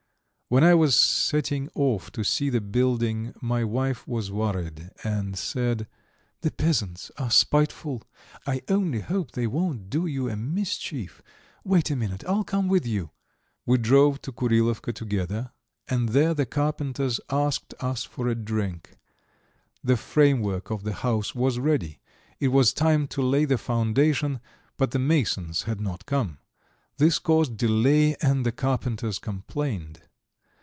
When I was setting off to see the building my wife was worried and said: "The peasants are spiteful; I only hope they won't do you a mischief. Wait a minute, I'll come with you." We drove to Kurilovka together, and there the carpenters asked us for a drink. The framework of the house was ready. It was time to lay the foundation, but the masons had not come; this caused delay, and the carpenters complained.